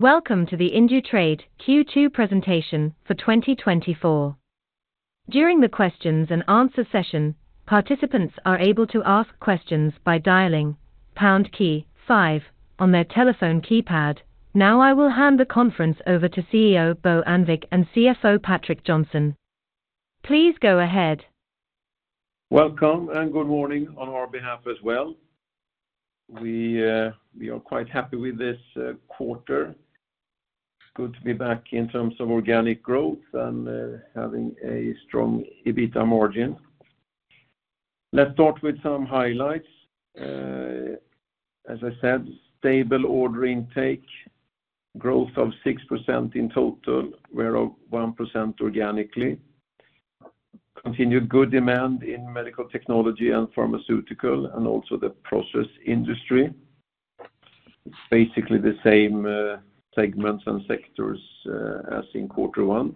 Welcome to the Indutrade Q2 presentation for 2024. During the questions and answer session, participants are able to ask questions by dialing pound key five on their telephone keypad. Now, I will hand the conference over to CEO, Bo Annvik, and CFO, Patrik Johnson. Please go ahead. Welcome, and good morning on our behalf as well. We, we are quite happy with this, quarter. It's good to be back in terms of organic growth and, having a strong EBITDA margin. Let's start with some highlights. As I said, stable order intake, growth of 6% in total, whereof 1% organically. Continued good demand in medical technology and pharmaceutical, and also the process industry. It's basically the same, segments and sectors, as in quarter one.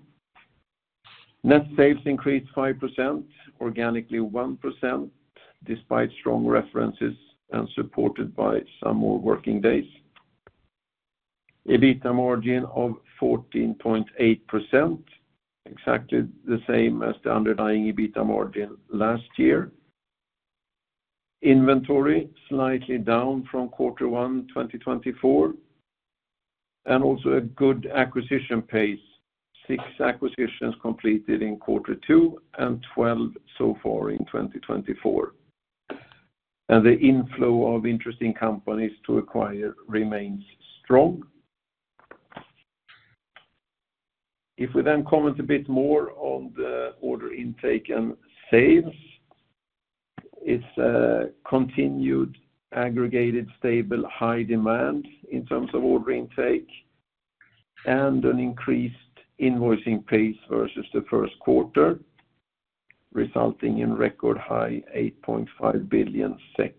Net sales increased 5%, organically 1%, despite strong references and supported by some more working days. EBITDA margin of 14.8%, exactly the same as the underlying EBITDA margin last year. Inventory slightly down from quarter one, 2024, and also a good acquisition pace, six acquisitions completed in quarter two, and 12 so far in 2024. The inflow of interesting companies to acquire remains strong. If we then comment a bit more on the order intake and sales, it's a continued aggregated, stable, high demand in terms of order intake, and an increased invoicing pace versus the first quarter, resulting in record high 8.5 billion SEK.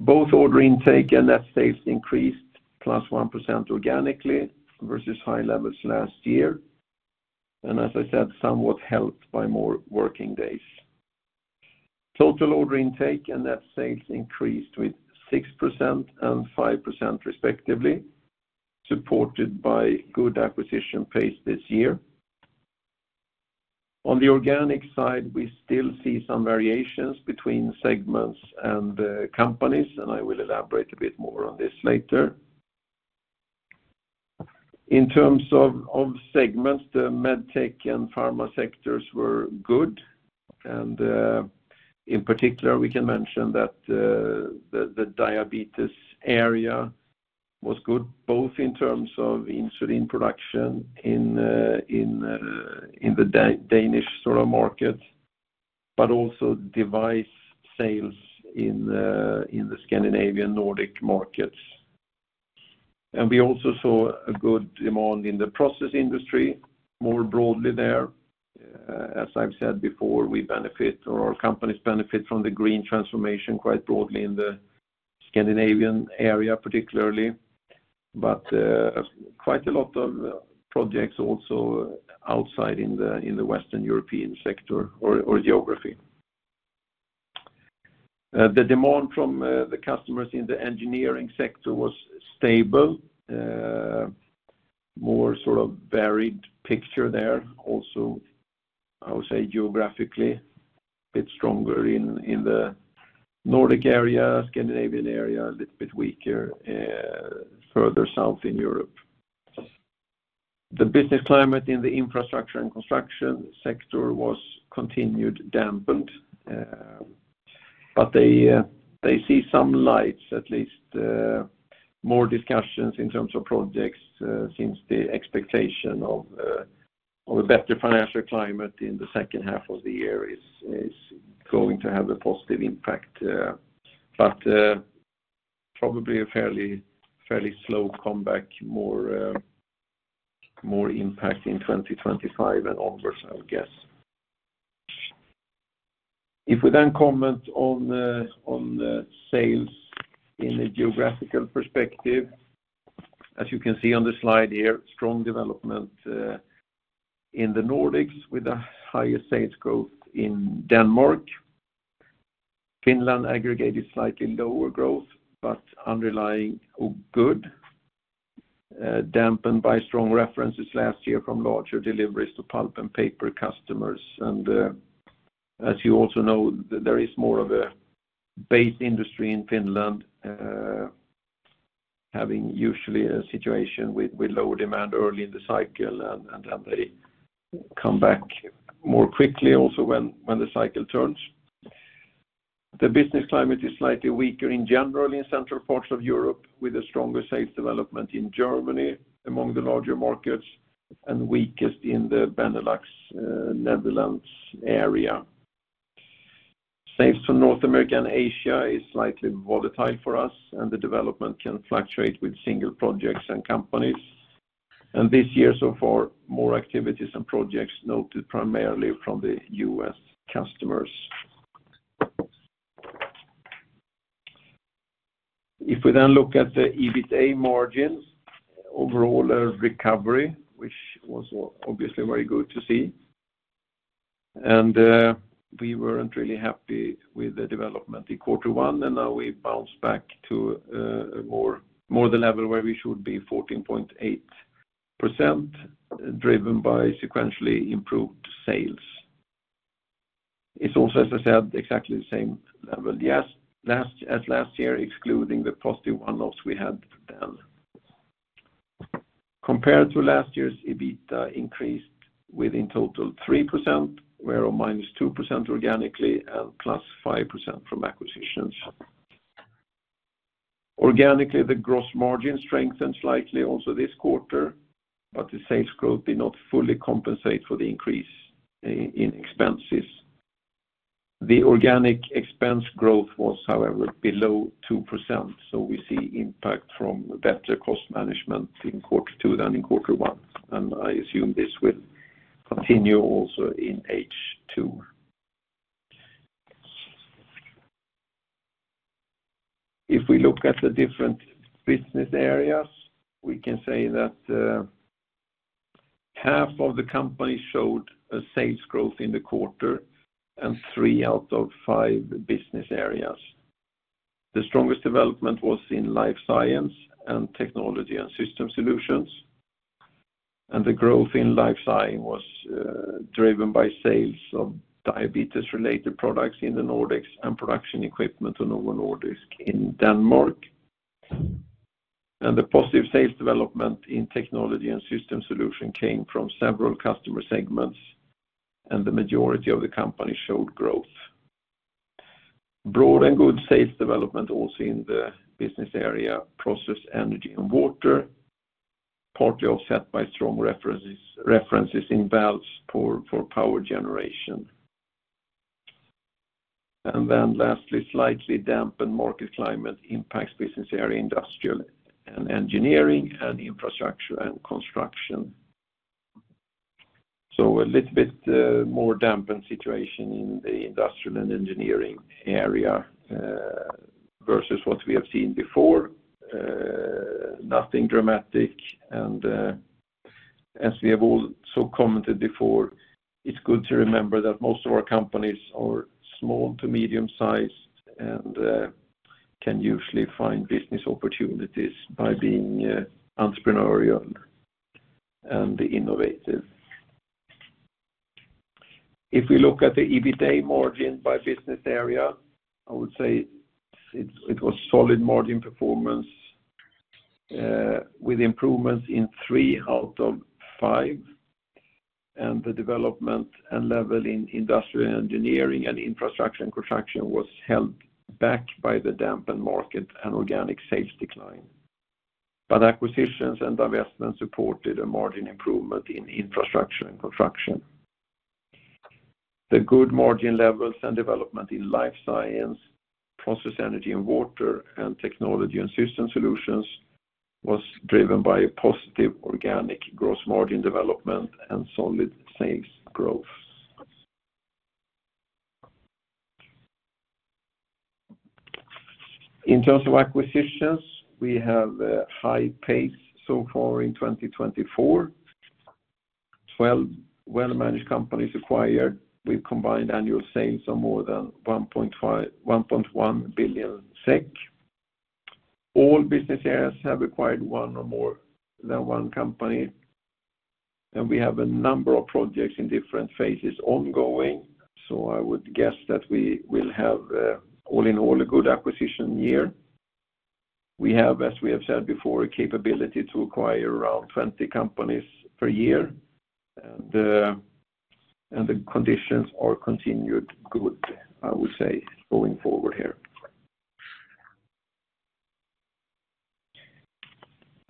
Both order intake and net sales increased +1% organically versus high levels last year, and as I said, somewhat helped by more working days. Total order intake and net sales increased with 6% and 5%, respectively, supported by good acquisition pace this year. On the organic side, we still see some variations between segments and companies, and I will elaborate a bit more on this later. In terms of segments, the MedTech and pharma sectors were good, and in particular, we can mention that the diabetes area was good, both in terms of insulin production in the Danish sort of market, but also device sales in the Scandinavian Nordic markets. We also saw a good demand in the process industry, more broadly there. As I've said before, we benefit, or our companies benefit from the green transformation quite broadly in the Scandinavian area, particularly, but quite a lot of projects also outside in the Western European sector or geography. The demand from the customers in the engineering sector was stable, more sort of varied picture there. Also, I would say geographically, a bit stronger in the Nordic area, Scandinavian area, a little bit weaker further south in Europe. The business climate in the infrastructure and construction sector was continued dampened, but they see some lights, at least, more discussions in terms of projects, since the expectation of a better financial climate in the second half of the year is going to have a positive impact, but probably a fairly, fairly slow comeback, more impact in 2025 and onwards, I would guess. If we then comment on the sales in a geographical perspective, as you can see on the slide here, strong development in the Nordics, with a higher sales growth in Denmark. Finland aggregated slightly lower growth, but underlying all good, dampened by strong references last year from larger deliveries to pulp and paper customers. And, as you also know, there is more of a base industry in Finland, having usually a situation with lower demand early in the cycle, and then they come back more quickly also when the cycle turns. The business climate is slightly weaker in general in central parts of Europe, with a stronger sales development in Germany, among the larger markets, and weakest in the Benelux, Netherlands area. Sales to North America and Asia is slightly volatile for us, and the development can fluctuate with single projects and companies. And this year, so far, more activities and projects noted primarily from the U.S. customers. If we then look at the EBITDA margins, overall, a recovery, which was obviously very good to see. We weren't really happy with the development in quarter one, and now we've bounced back to a more, more the level where we should be 14.8%, driven by sequentially improved sales. It's also, as I said, exactly the same level as last, as last year, excluding the positive one-offs we had then. Compared to last year's, EBITDA increased within total 3%, where on -2% organically, and +5% from acquisitions. Organically, the gross margin strengthened slightly also this quarter, but the sales growth did not fully compensate for the increase in expenses. The organic expense growth was, however, below 2%, so we see impact from better cost management in quarter two than in quarter one, and I assume this will continue also in H2. If we look at the different business areas, we can say that half of the company showed a sales growth in the quarter and three out of five business areas. The strongest development was in Life Science and Technology and Systems Solutions. The growth in Life Science was driven by sales of diabetes-related products in the Nordics and production equipment to Novo Nordisk in Denmark. The positive sales development in Technology and Systems Solutions came from several customer segments, and the majority of the company showed growth. Broad and good sales development also in the Business Area Process, Energy & Water, partly offset by strong references, references in valves for power generation. Then lastly, slightly dampened market climate impacts business area, industrial and engineering and infrastructure and construction. So a little bit more dampened situation in the industrial and engineering area versus what we have seen before, nothing dramatic, and as we have also commented before, it's good to remember that most of our companies are small to medium-sized and can usually find business opportunities by being entrepreneurial and innovative. If we look at the EBITDA margin by business area, I would say it was solid margin performance with improvements in three out of five, and the development and level in industrial engineering and infrastructure and construction was held back by the dampened market and organic sales decline. But acquisitions and investments supported a margin improvement in infrastructure and construction. The good margin levels and development in Life Science, Process, Energy & Water, and Technology & Systems Solutions was driven by a positive organic gross margin development and solid sales growth. In terms of acquisitions, we have a high pace so far in 2024. 12 well-managed companies acquired with combined annual sales of more than 1.5 billion-1.1 billion SEK. All business areas have acquired one or more than one company, and we have a number of projects in different phases ongoing, so I would guess that we will have, all in all, a good acquisition year. We have, as we have said before, a capability to acquire around 20 companies per year, and the conditions are continued good, I would say, going forward here.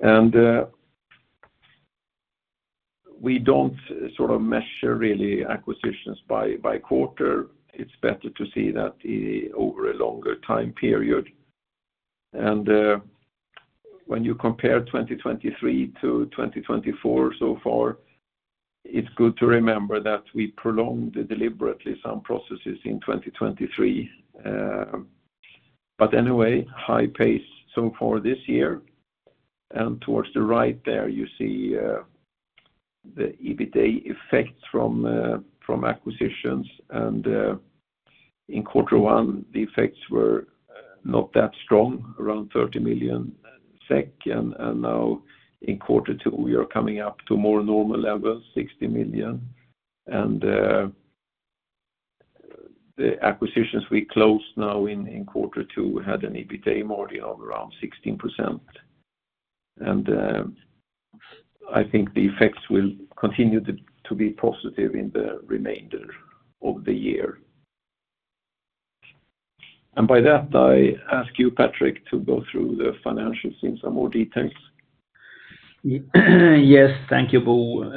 And, we don't sort of measure really acquisitions by, by quarter. It's better to see that over a longer time period. When you compare 2023 to 2024 so far, it's good to remember that we prolonged deliberately some processes in 2023, but anyway, high pace so far this year. Towards the right there, you see the EBITDA effects from acquisitions, and in quarter one, the effects were not that strong, around 30 million SEK, and now in quarter two, we are coming up to more normal levels, 60 million. The acquisitions we closed now in quarter two had an EBITDA margin of around 16%. I think the effects will continue to be positive in the remainder of the year. By that, I ask you, Patrik, to go through the financials in some more details. Yes, thank you, Bo.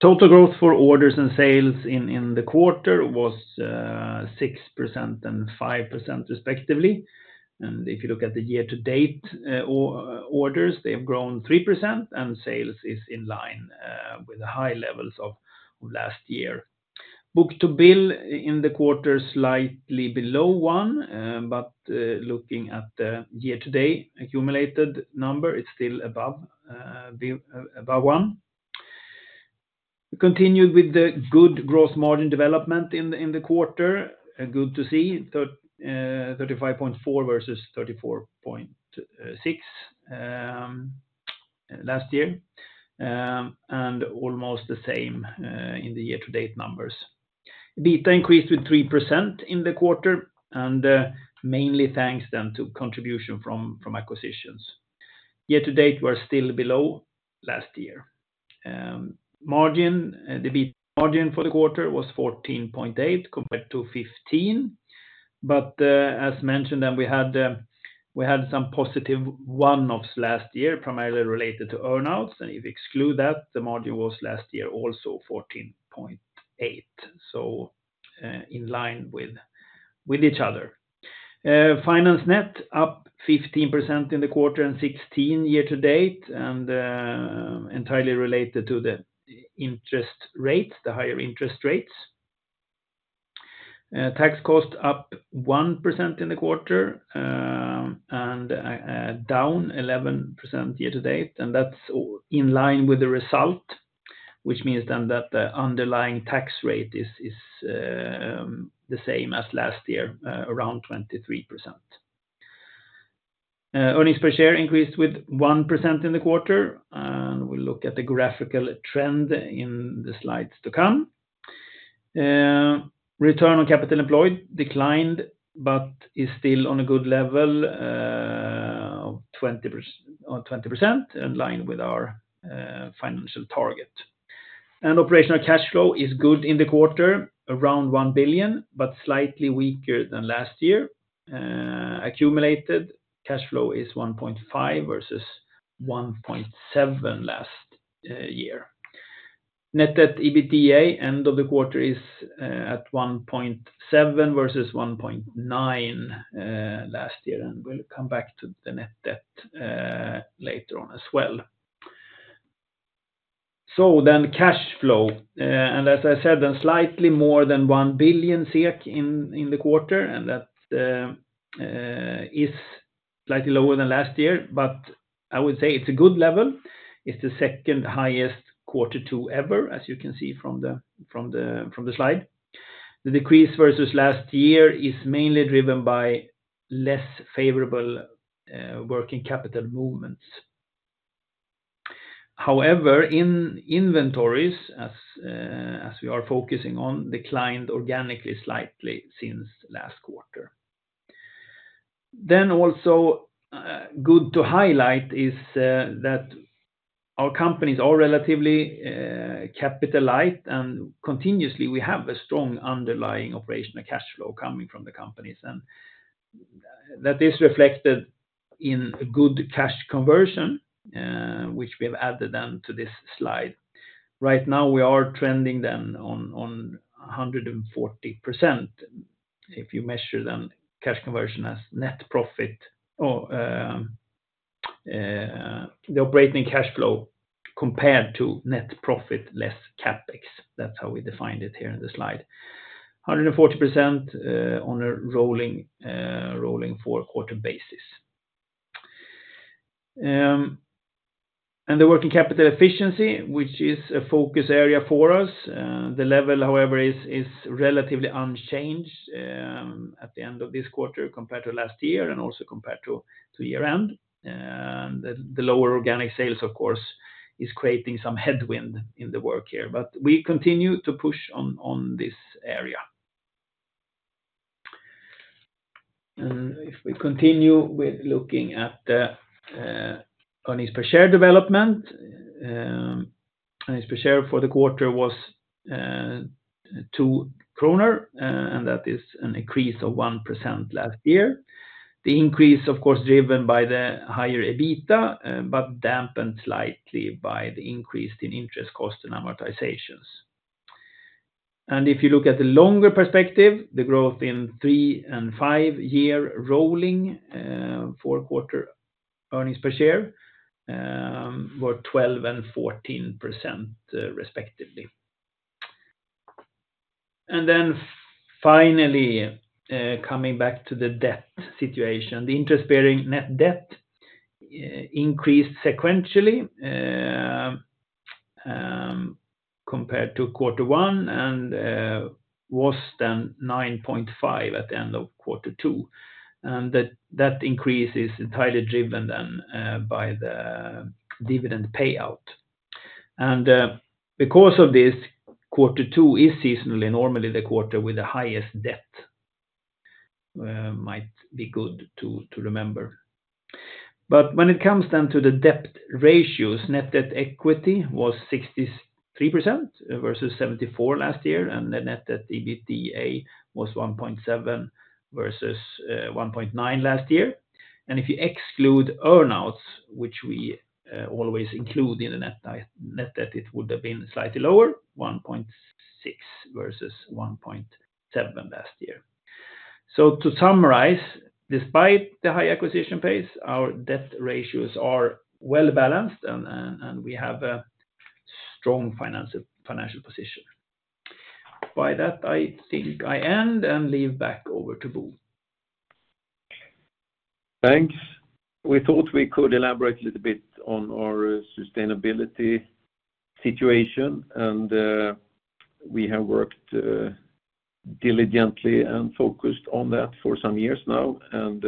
Total growth for orders and sales in the quarter was 6% and 5% respectively. And if you look at the year-to-date, orders, they have grown 3%, and sales is in line with the high levels of last year. Book-to-bill in the quarter, slightly below 1, but looking at the year-to-date accumulated number, it's still above 1. Continued with the good gross margin development in the quarter, and good to see 35.4 versus 34.6 last year. And almost the same in the year-to-date numbers. EBITDA increased with 3% in the quarter, and mainly thanks then to contribution from acquisitions. Year-to-date, we're still below last year. The EBITDA margin for the quarter was 14.8 compared to 15. But, as mentioned, we had some positive one-offs last year, primarily related to earn-outs. And if you exclude that, the margin was last year also 14.8, so in line with each other. Finance net up 15% in the quarter and 16% year-to-date, and entirely related to the interest rates, the higher interest rates. Tax cost up 1% in the quarter, and down 11% year-to-date, and that's all in line with the result, which means that the underlying tax rate is the same as last year, around 23%. Earnings per share increased with 1% in the quarter, and we look at the graphical trend in the slides to come. Return on capital employed declined, but is still on a good level of 20%, on 20%, in line with our financial target. Operational cash flow is good in the quarter, around 1 billion, but slightly weaker than last year. Accumulated cash flow is 1.5 versus 1.7 last year. Net debt/EBITDA, end of the quarter is at 1.7 versus 1.9 last year, and we'll come back to the net debt later on as well. So then cash flow, and as I said, then slightly more than 1 billion SEK in the quarter, and that is slightly lower than last year, but I would say it's a good level. It's the second highest quarter two ever, as you can see from the slide. The decrease versus last year is mainly driven by less favorable working capital movements. However, inventories, as we are focusing on, declined organically slightly since last quarter. Then also, good to highlight is that our companies are relatively capital light, and continuously, we have a strong underlying operational cash flow coming from the companies, and that is reflected in a good cash conversion, which we have added then to this slide. Right now, we are trending then on 140%. If you measure then cash conversion as net profit or, the operating cash flow compared to net profit less CapEx. That's how we defined it here in the slide. 140%, on a rolling four-quarter basis. And the working capital efficiency, which is a focus area for us, the level, however, is relatively unchanged, at the end of this quarter compared to last year and also compared to year-end. And the lower organic sales, of course, is creating some headwind in the work here, but we continue to push on this area. And if we continue with looking at the earnings per share development, earnings per share for the quarter was 2 kronor, and that is an increase of 1% last year. The increase, of course, driven by the higher EBITDA, but dampened slightly by the increase in interest costs and amortizations. If you look at the longer perspective, the growth in 3-year and 5-year rolling four-quarter earnings per share were 12% and 14%, respectively. Then finally, coming back to the debt situation. The interest-bearing net debt increased sequentially compared to quarter one and was then 9.5 at the end of quarter two. That increase is entirely driven then by the dividend payout. Because of this, quarter two is seasonally normally the quarter with the highest debt; might be good to remember. But when it comes down to the debt ratios, net debt/equity was 63% versus 74% last year, and the net debt/EBITDA was 1.7 versus 1.9 last year. And if you exclude earn-outs, which we always include in the net debt, it would have been slightly lower, 1.6 versus 1.7 last year. So to summarize, despite the high acquisition pace, our debt ratios are well balanced and we have a strong financial position. By that, I think I end and leave back over to Bo. Thanks. We thought we could elaborate a little bit on our sustainability situation, and we have worked diligently and focused on that for some years now. And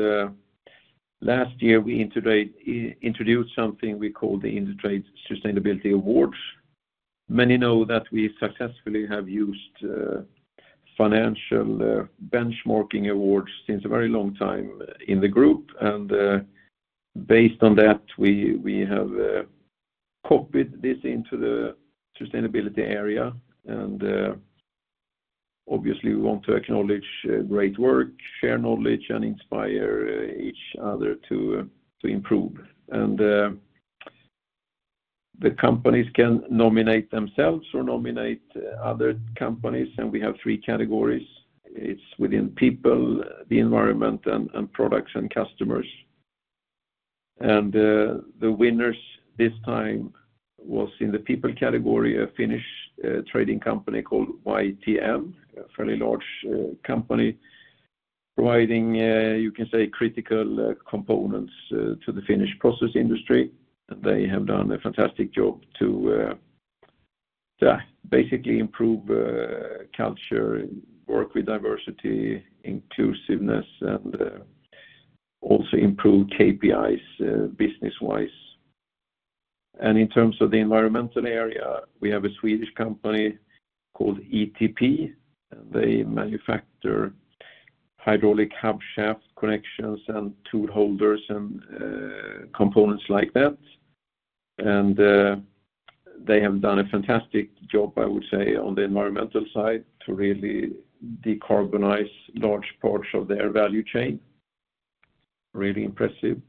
last year, we introduced something we called the Indutrade Sustainability Awards. Many know that we successfully have used financial benchmarking awards since a very long time in the group, and based on that, we have copied this into the sustainability area. And obviously, we want to acknowledge great work, share knowledge, and inspire each other to improve. And the companies can nominate themselves or nominate other companies, and we have three categories. It's within people, the environment, and products and customers. And the winners this time was in the people category, a Finnish trading company called YTM, a fairly large company, providing you can say critical components to the Finnish process industry. They have done a fantastic job to basically improve culture, work with diversity, inclusiveness, and also improve KPIs business wise. And in terms of the environmental area, we have a Swedish company called ETP. They manufacture hydraulic hub shaft connections and tool holders and components like that. And they have done a fantastic job, I would say, on the environmental side, to really decarbonize large parts of their value chain. Really impressive.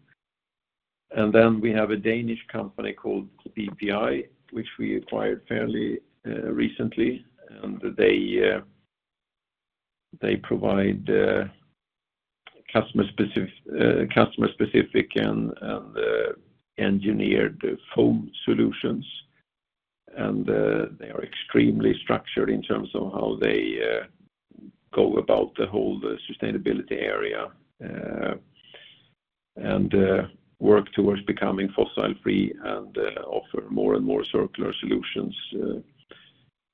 And then we have a Danish company called BPI, which we acquired fairly recently, and they provide customer specific and engineered foam solutions. They are extremely structured in terms of how they go about the whole sustainability area, and work towards becoming fossil free and offer more and more circular solutions,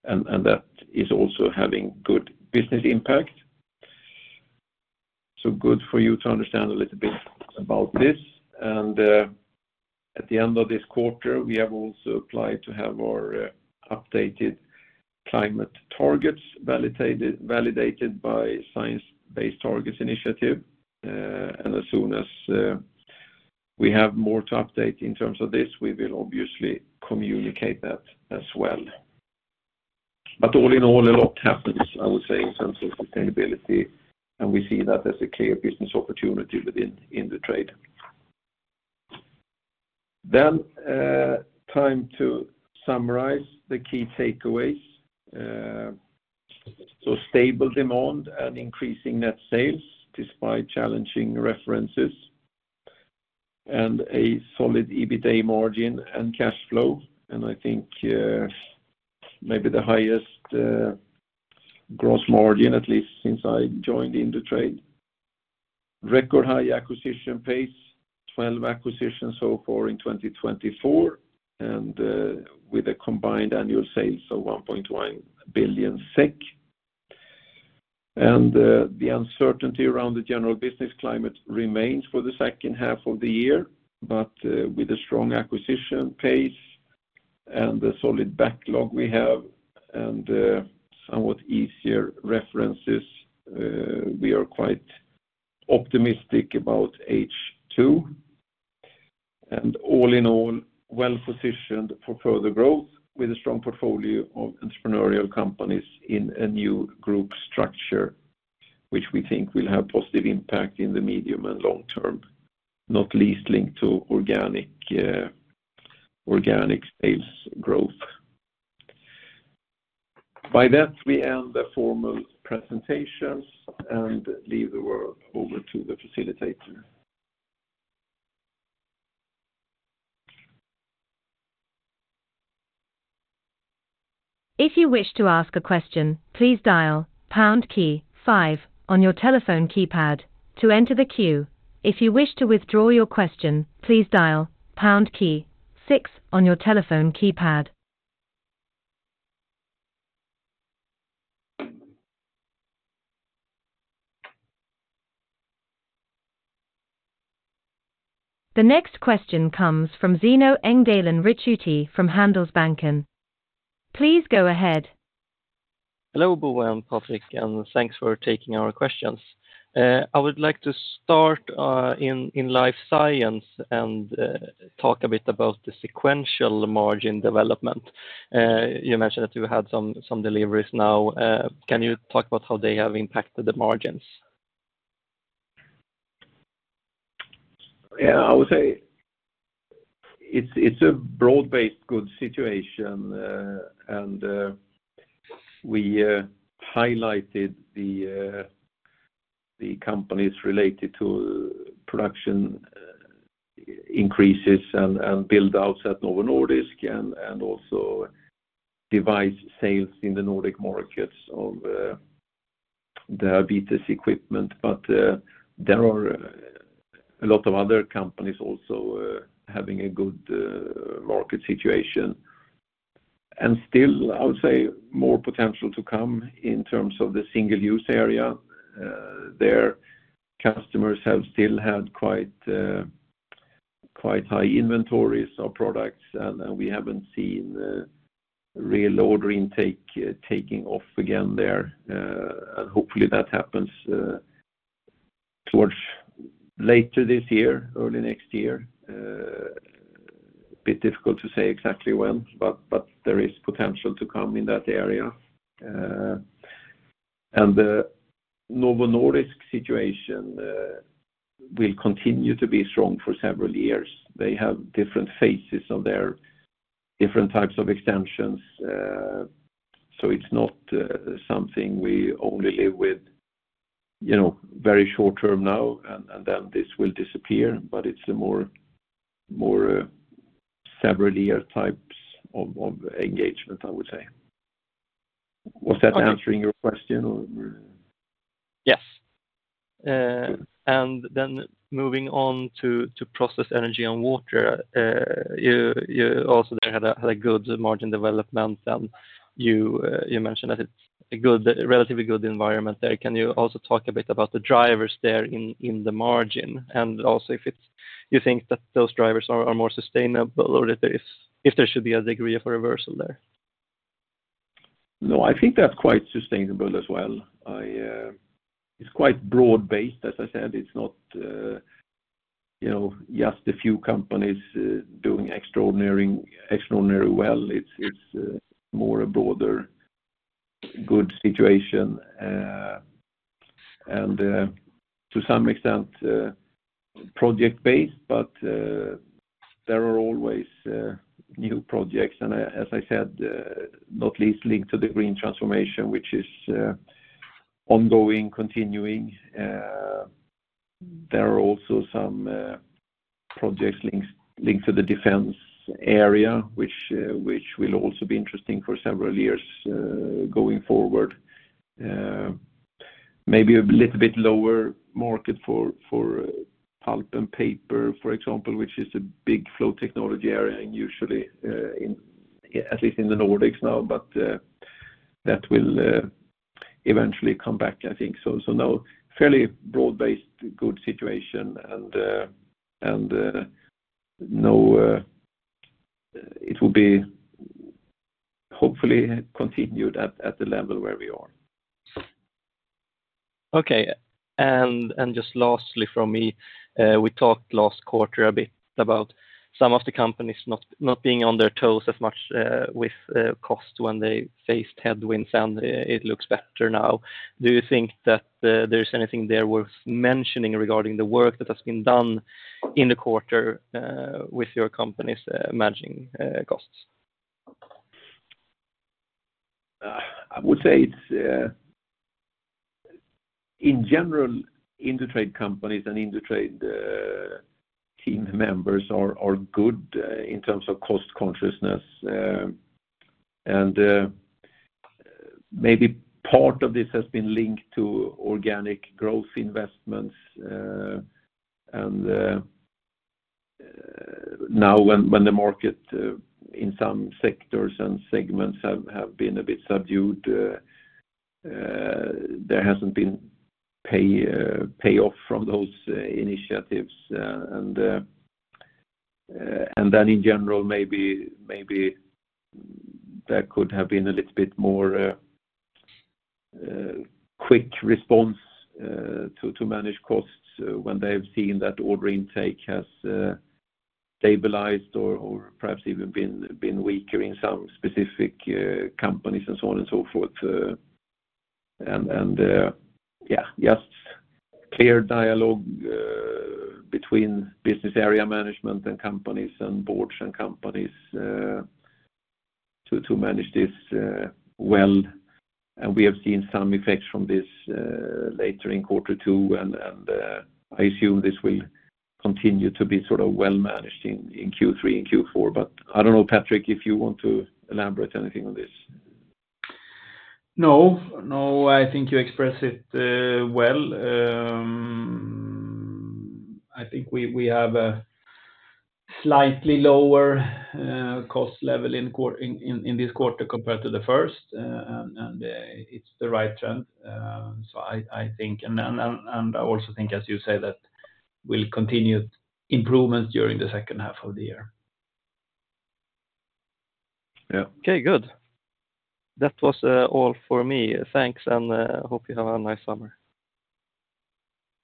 and, and that is also having good business impact. Good for you to understand a little bit about this. At the end of this quarter, we have also applied to have our updated climate targets validated, validated by Science Based Targets initiative. As soon as we have more to update in terms of this, we will obviously communicate that as well. But all in all, a lot happens, I would say, in terms of sustainability, and we see that as a clear business opportunity within Indutrade. Time to summarize the key takeaways. So stable demand and increasing net sales, despite challenging references, and a solid EBITDA margin and cash flow, and I think, maybe the highest gross margin, at least since I joined Indutrade. Record high acquisition pace, 12 acquisitions so far in 2024, and with a combined annual sales of 1.1 billion SEK. And the uncertainty around the general business climate remains for the second half of the year, but with a strong acquisition pace and the solid backlog we have and somewhat easier references, we are quite optimistic about H2. And all in all, well-positioned for further growth with a strong portfolio of entrepreneurial companies in a new group structure, which we think will have positive impact in the medium and long term, not least linked to organic, organic sales growth. By that, we end the formal presentations and leave the word over to the facilitator. If you wish to ask a question, please dial pound key five on your telephone keypad to enter the queue. If you wish to withdraw your question, please dial pound key six on your telephone keypad. The next question comes from Zino Engdalen Ricciuti from Handelsbanken. Please go ahead. Hello, Bo and Patrik, and thanks for taking our questions. I would like to start in Life Science and talk a bit about the sequential margin development. You mentioned that you had some deliveries now. Can you talk about how they have impacted the margins? Yeah, I would say it's, it's a broad-based good situation, and, we, highlighted the, the companies related to production, increases and, and build outs at Novo Nordisk, and, and also device sales in the Nordic markets of, the diabetes equipment. But, there are a lot of other companies also, having a good, market situation. And still, I would say, more potential to come in terms of the single-use area. Their customers have still had quite, quite high inventories of products, and, and we haven't seen, real order intake taking off again there. And hopefully, that happens, towards later this year, early next year. A bit difficult to say exactly when, but, but there is potential to come in that area. And the Novo Nordisk situation will continue to be strong for several years. They have different phases of their different types of extensions, so it's not, something we only live with, you know, very short term now, and, and then this will disappear, but it's a more, more, several year types of, of engagement, I would say. Was that answering your question, or? Yes. And then moving on to Process, Energy & Water, you also there had a good margin development, and you mentioned that it's a relatively good environment there. Can you also talk a bit about the drivers there in the margin? And also if you think that those drivers are more sustainable or if there should be a degree of reversal there. No, I think that's quite sustainable as well. I, it's quite broad-based, as I said, it's not, you know, just a few companies, doing extraordinary, extraordinary well. It's, it's, more a broader good situation, and, to some extent, project-based, but, there are always, new projects. And as I said, not least linked to the green transformation, which is, ongoing, continuing. There are also some, projects linked to the defense area, which, which will also be interesting for several years, going forward. Maybe a little bit lower market for, for, pulp and paper, for example, which is a big flow technology area, and usually, at least in the Nordics now, but, that will, eventually come back, I think so. So now, fairly broad-based, good situation, and no, it will be hopefully continued at the level where we are. Okay. And just lastly from me, we talked last quarter a bit about some of the companies not being on their toes as much with cost when they faced headwinds, and it looks better now. Do you think that there's anything there worth mentioning regarding the work that has been done in the quarter with your company's managing costs? I would say it's in general, Indutrade companies and Indutrade team members are good in terms of cost consciousness. Maybe part of this has been linked to organic growth investments, and now, when the market in some sectors and segments have been a bit subdued, there hasn't been payoff from those initiatives, and then in general, maybe there could have been a little bit more quick response to manage costs, when they have seen that order intake has stabilized or perhaps even been weaker in some specific companies and so on and so forth. Yeah, just clear dialogue between Business Area management and companies, and boards and companies, to manage this well. And we have seen some effects from this later in quarter two, and I assume this will continue to be sort of well managed in Q3 and Q4, but I don't know, Patrik, if you want to elaborate anything on this. No, no, I think you expressed it well. I think we have a slightly lower cost level in this quarter compared to the first, and it's the right trend. So I think, and I also think, as you say, that we'll continue improvement during the second half of the year. Yeah. Okay, good. That was all for me. Thanks, and hope you have a nice summer.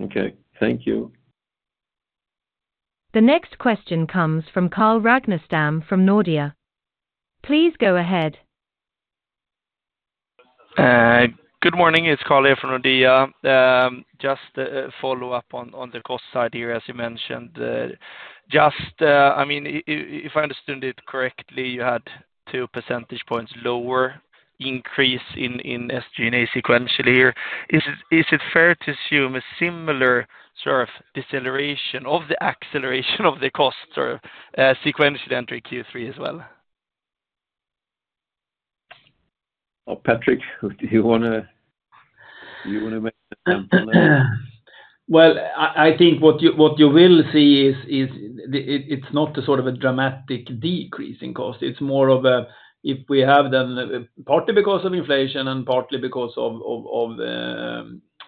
Okay. Thank you. The next question comes from Carl Ragnerstam, from Nordea. Please go ahead. Good morning, it's Carl here from Nordea. Just a follow-up on the cost side here, as you mentioned. Just, I mean, if I understood it correctly, you had two percentage points lower increase in SG&A sequentially here. Is it fair to assume a similar sort of deceleration of the acceleration of the costs or sequentially entering Q3 as well? Oh, Patrik, do you wanna, you wanna make a comment on that? Well, I think what you will see is it, it's not the sort of a dramatic decrease in cost. It's more of a, if we have them, partly because of inflation and partly because of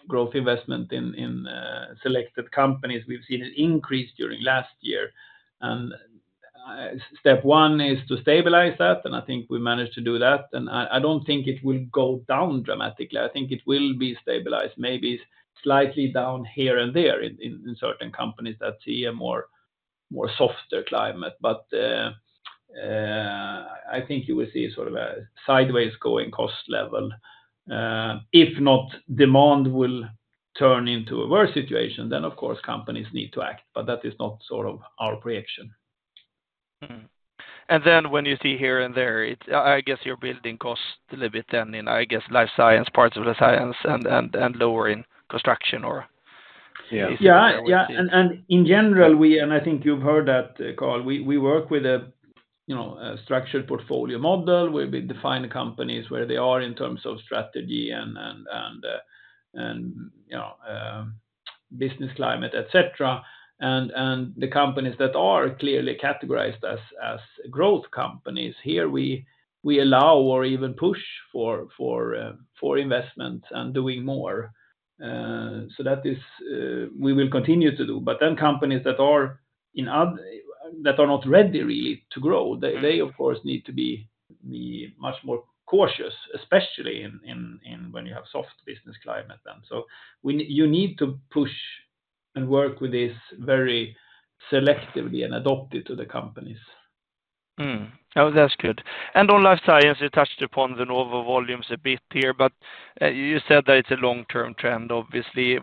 growth investment in selected companies, we've seen an increase during last year. And step one is to stabilize that, and I don't think it will go down dramatically. I think it will be stabilized, maybe slightly down here and there in certain companies that see a more softer climate. But I think you will see sort of a sideways going cost level. If not, demand will turn into a worse situation, then, of course, companies need to act, but that is not sort of our prediction. Mm-hmm. And then when you see here and there, it's, I guess you're building costs a little bit then in, I guess, Life Science, parts of the science, and lower in Construction or- Yeah. Yeah. Yeah, and in general, we, and I think you've heard that, Carl, we work with a, you know, a structured portfolio model, where we define the companies, where they are in terms of strategy and, you know, business climate, et cetera. And the companies that are clearly categorized as growth companies, here, we allow or even push for investment and doing more. So that is, we will continue to do, but then companies that are not ready really to grow, they, of course, need to be much more cautious, especially when you have soft business climate then. So you need to push and work with this very selectively and adapt it to the companies. Oh, that's good. And on Life Science, you touched upon the Novo volumes a bit here, but you said that it's a long-term trend, obviously.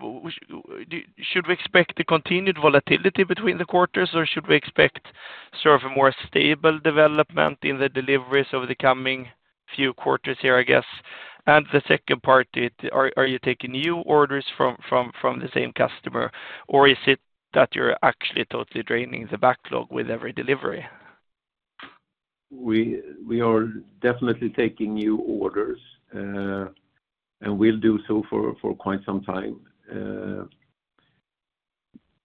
Should we expect the continued volatility between the quarters, or should we expect sort of a more stable development in the deliveries over the coming few quarters here, I guess? And the second part is, are you taking new orders from the same customer, or is it that you're actually totally draining the backlog with every delivery? We are definitely taking new orders, and we'll do so for quite some time.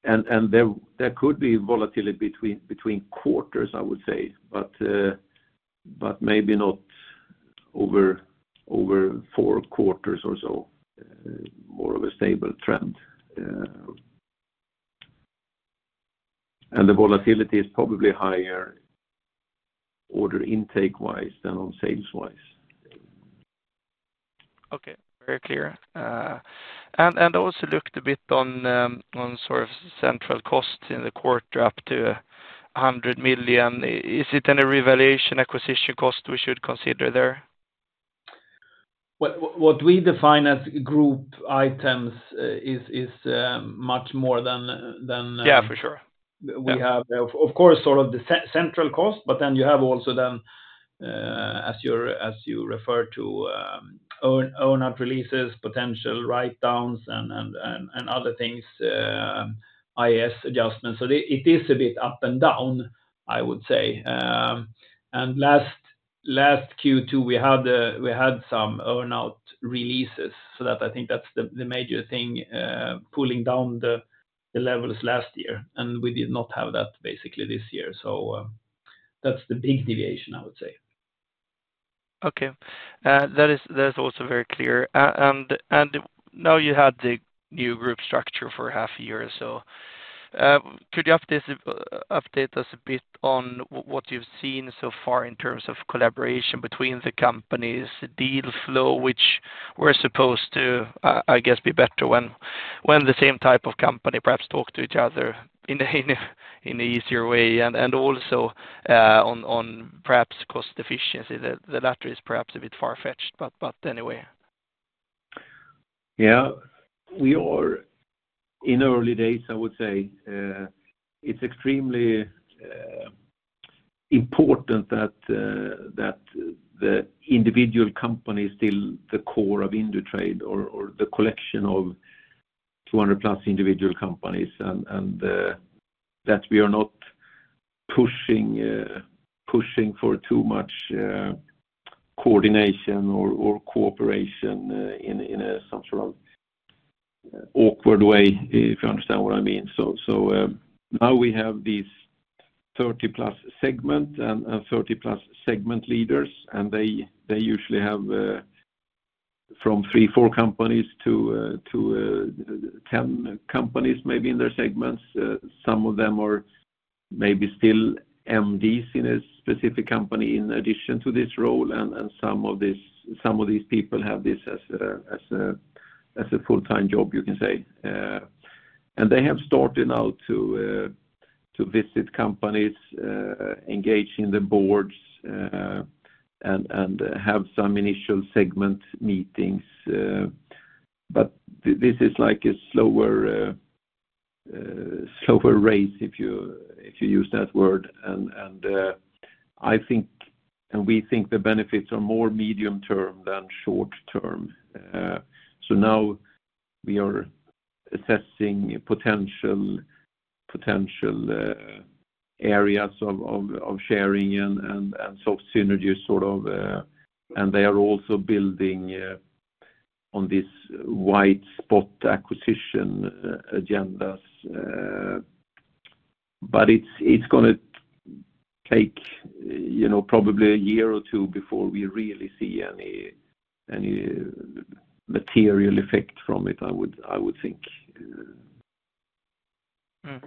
And there could be volatility between quarters, I would say, but maybe not over four quarters or so, more of a stable trend. And the volatility is probably higher order intake-wise than on sales-wise. Okay. Very clear. And also looked a bit on sort of central costs in the quarter up to 100 million. Is it any revaluation acquisition cost we should consider there? What we define as group items is much more than... Yeah, for sure. We have, of course, sort of the central cost, but then you have also, as you refer to, earn-out releases, potential write-downs, and other things, IFRS adjustments. So it is a bit up and down, I would say. And last Q2, we had some earn-out releases, so that I think that's the major thing pulling down the levels last year, and we did not have that basically this year. So, that's the big deviation, I would say. Okay. That is, that is also very clear. And now you had the new group structure for half a year or so. Could you update us a bit on what you've seen so far in terms of collaboration between the companies, the deal flow, which we're supposed to, I guess, be better when the same type of company perhaps talk to each other in an easier way, and also on perhaps cost efficiency, the latter is perhaps a bit far-fetched, but anyway. Yeah. We are in early days, I would say. It's extremely important that the individual company is still the core of Indutrade or the collection of 200+ individual companies, and that we are not pushing for too much coordination or cooperation in some sort of awkward way, if you understand what I mean. So now we have these 30+ segment leaders, and they usually have from 3-4 companies to 10 companies, maybe in their segments. Some of them are maybe still MDs in a specific company, in addition to this role, and some of these people have this as a full-time job, you can say. And they have started now to visit companies, engage in the boards, and have some initial segment meetings, but this is like a slower, slower race, if you use that word. And I think, and we think the benefits are more medium term than short term. So now we are assessing potential areas of sharing and soft synergies, sort of, and they are also building on this wide spot acquisition agendas. But it's gonna take, you know, probably a year or two before we really see any material effect from it, I would think. Mm.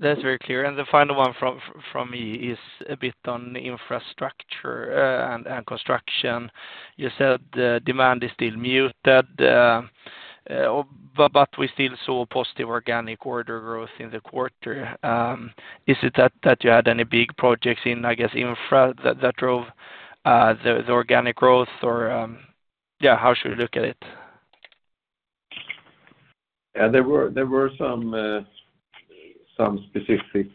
That's very clear. And the final one from me is a bit on infrastructure and construction. You said the demand is still muted, but we still saw positive organic order growth in the quarter. Is it that you had any big projects in, I guess, infra that drove the organic growth? Or, yeah, how should we look at it? Yeah, there were some specific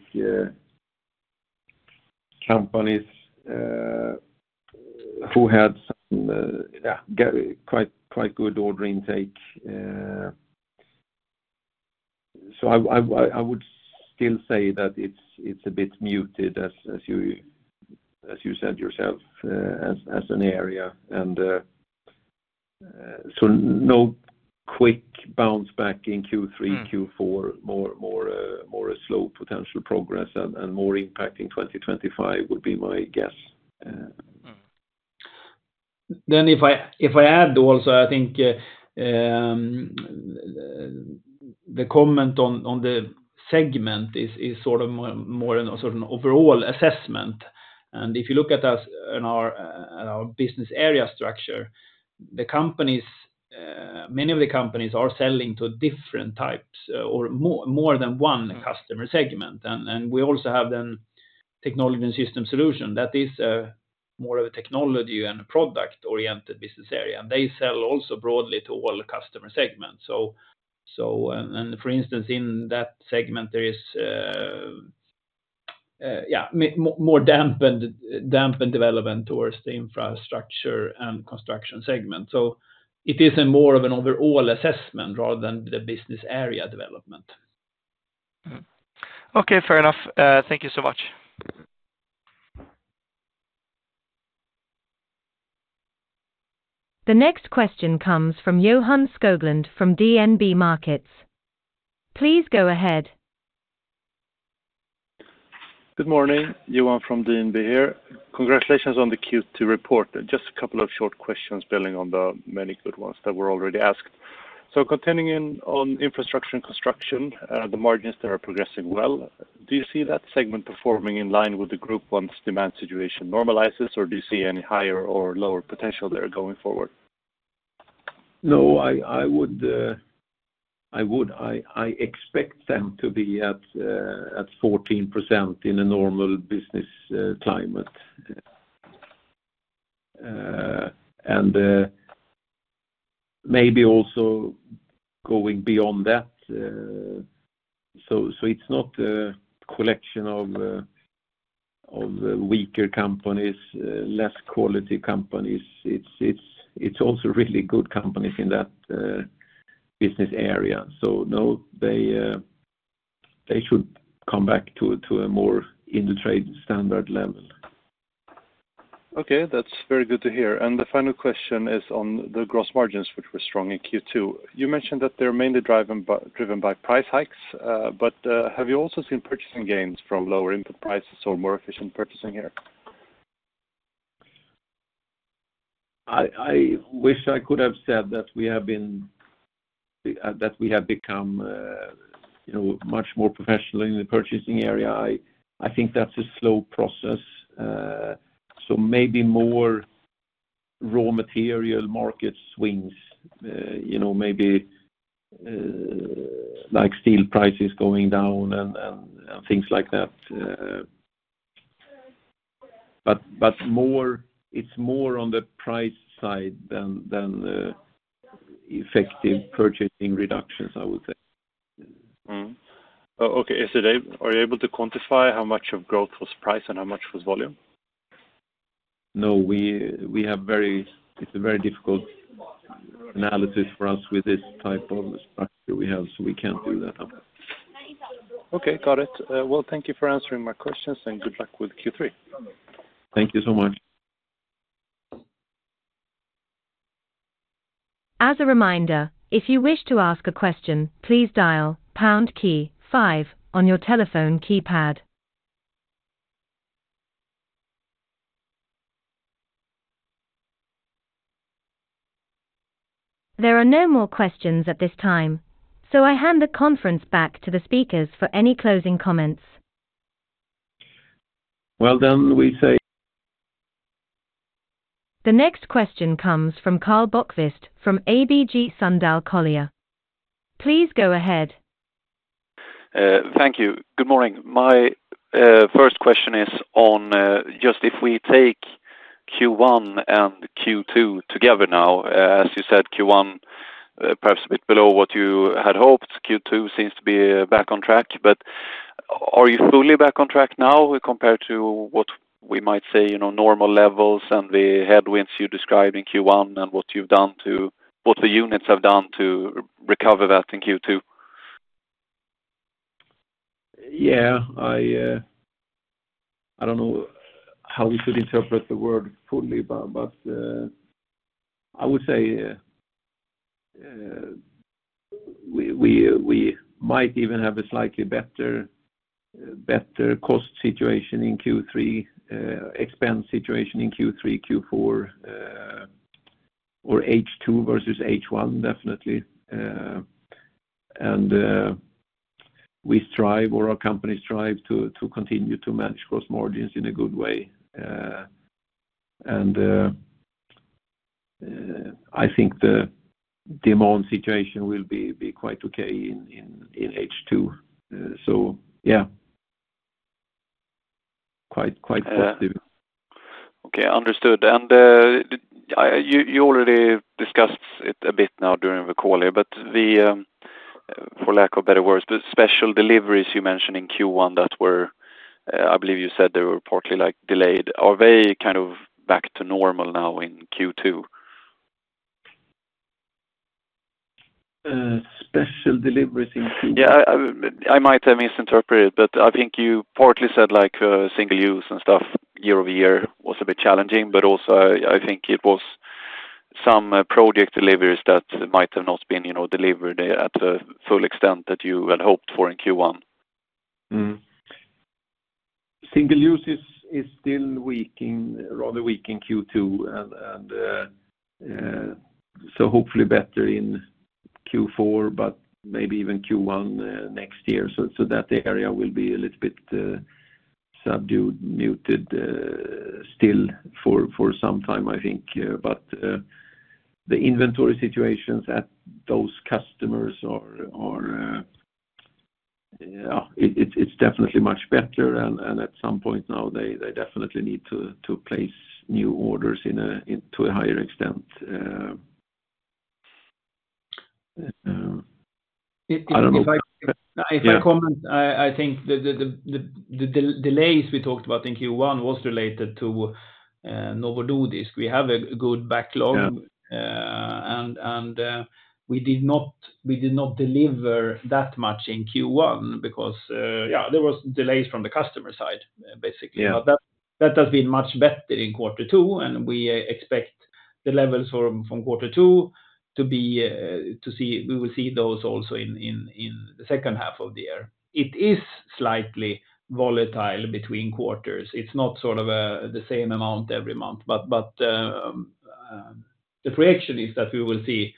companies who had yeah, quite good order intake. So I would still say that it's a bit muted, as you said yourself, as an area. So no quick bounce back in Q3- Mm Q4. More of a slow potential progress and more impact in 2025 would be my guess. Mm. Then if I add also, I think, the comment on the segment is sort of more of an sort of overall assessment. And if you look at us and our business area structure, the companies, many of the companies are selling to different types or more than one customer segment. And we also have then technology and system solution that is more of a technology and a product-oriented business area, and they sell also broadly to all the customer segments. So and for instance, in that segment, there is more dampened development towards the infrastructure and construction segment. So it is more of an overall assessment rather than the business area development. Mm-hmm. Okay, fair enough. Thank you so much. The next question comes from Johan Skoglund from DNB Markets. Please go ahead. Good morning, Johan from DNB here. Congratulations on the Q2 report. Just a couple of short questions building on the many good ones that were already asked. So continuing in on infrastructure and construction, the margins there are progressing well. Do you see that segment performing in line with the group once demand situation normalizes, or do you see any higher or lower potential there going forward? No, I would expect them to be at 14% in a normal business climate. And maybe also going beyond that. So it's not a collection of weaker companies, less quality companies. It's also really good companies in that Business Area. So no, they should come back to a more Indutrade standard level. Okay, that's very good to hear. And the final question is on the gross margins, which were strong in Q2. You mentioned that they're mainly driven by price hikes, but have you also seen purchasing gains from lower input prices or more efficient purchasing here? I wish I could have said that we have been, that we have become, you know, much more professional in the purchasing area. I think that's a slow process, so maybe more raw material market swings, you know, maybe, like steel prices going down and things like that. But more, it's more on the price side than effective purchasing reductions, I would say. Oh, okay. So are you able to quantify how much of growth was price and how much was volume? No, we have very, it's a very difficult analysis for us with this type of structure we have, so we can't do that now. Okay, got it. Well, thank you for answering my questions, and good luck with Q3. Thank you so much. As a reminder, if you wish to ask a question, please dial pound key five on your telephone keypad. There are no more questions at this time, so I hand the conference back to the speakers for any closing comments. Well, then, we say- The next question comes from Karl Bokvist from ABG Sundal Collier. Please go ahead. Thank you. Good morning. My first question is on just if we take Q1 and Q2 together now, as you said, Q1 perhaps a bit below what you had hoped. Q2 seems to be back on track, but are you fully back on track now compared to what we might say, you know, normal levels and the headwinds you described in Q1, and what the units have done to recover that in Q2? Yeah. I don't know how we should interpret the word fully, but, I would say, we might even have a slightly better cost situation in Q3, expense situation in Q3, Q4, or H2 versus H1, definitely. And, we strive or our company strive to continue to manage gross margins in a good way. And, I think the demand situation will be quite okay in H2. So yeah. Quite positive. Okay, understood. You already discussed it a bit now during the call here, but for lack of better words, the special deliveries you mentioned in Q1 that were, I believe you said they were partly, like, delayed. Are they kind of back to normal now in Q2? Special deliveries in Q2? Yeah. I might have misinterpreted, but I think you partly said, like, single use and stuff, year-over-year was a bit challenging, but also, I think it was some project deliveries that might have not been, you know, delivered at the full extent that you had hoped for in Q1. Mm-hmm. Single use is still weak, rather weak in Q2, and so hopefully better in Q4, but maybe even Q1 next year. So that area will be a little bit subdued, muted, still for some time, I think, but the inventory situations at those customers are yeah, it's definitely much better, and at some point now, they definitely need to place new orders in to a higher extent. I don't know. If I comment- Yeah. I think the delays we talked about in Q1 was related to Novo Nordisk. We have a good backlog- Yeah And we did not deliver that much in Q1 because, yeah, there was delays from the customer side, basically. Yeah. But that has been much better in quarter two, and we expect the levels from quarter two to be—we will see those also in the second half of the year. It is slightly volatile between quarters. It's not sort of the same amount every month, but the prediction is that we will see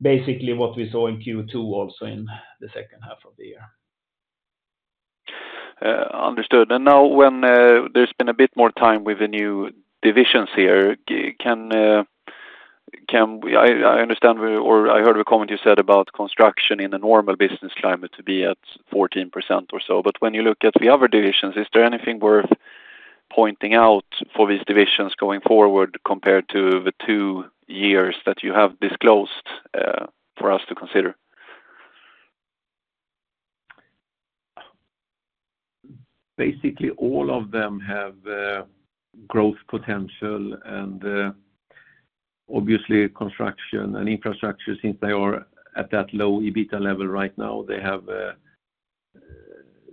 basically what we saw in Q2, also in the second half of the year. Understood. And now when there's been a bit more time with the new divisions here, can we... I understand, or I heard a comment you said about construction in a normal business climate to be at 14% or so, but when you look at the other divisions, is there anything worth pointing out for these divisions going forward compared to the two years that you have disclosed, for us to consider? Basically, all of them have growth potential and obviously, construction and infrastructure, since they are at that low EBITDA level right now, they have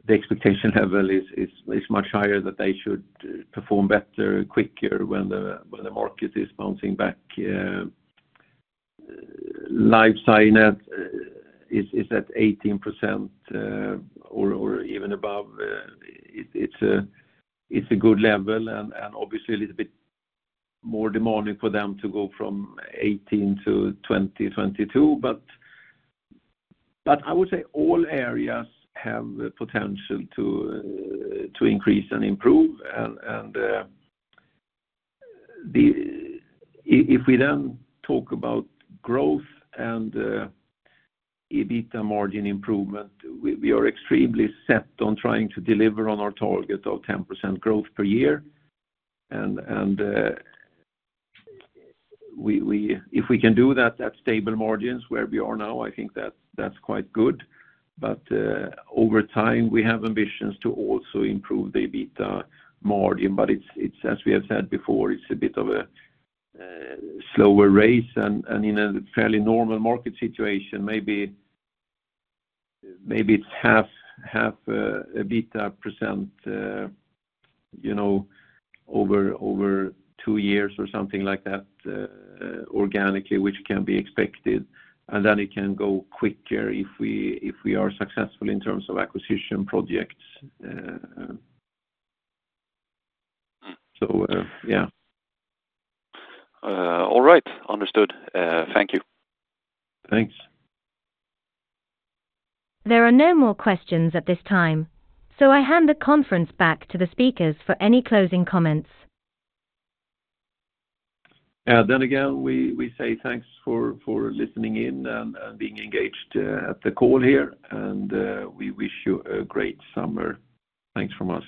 the expectation level is much higher, that they should perform better, quicker when the market is bouncing back. Life Science is at 18% or even above, it's a good level and obviously, a little bit more demanding for them to go from 18 to 20, 22. But I would say all areas have the potential to increase and improve, and the... If we then talk about growth and EBITDA margin improvement, we are extremely set on trying to deliver on our target of 10% growth per year, and if we can do that at stable margins where we are now, I think that's quite good. But over time, we have ambitions to also improve the EBITDA margin, but it's as we have said before, it's a bit of a slower race and in a fairly normal market situation, maybe it's 0.5% EBITDA, you know, over two years or something like that, organically, which can be expected, and then it can go quicker if we are successful in terms of acquisition projects. So, yeah. All right. Understood. Thank you. Thanks. There are no more questions at this time, so I hand the conference back to the speakers for any closing comments. Then again, we say thanks for listening in and being engaged at the call here, and we wish you a great summer. Thanks from us.